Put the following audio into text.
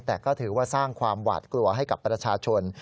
แต่ก็ถือว่าสร้างความหวาดกลัวให้กับประชาชน